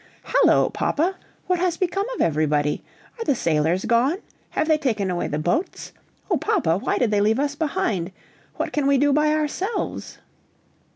"Hallo, papa! what has become of everybody? Are the sailors gone? Have they taken away the boats? Oh, papa! why did they leave us behind? What can we do by ourselves?"